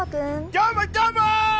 どーも、どーも！